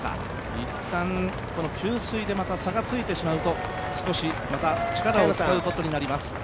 いったん給水でまた差がついてしまうと力を使うことになります。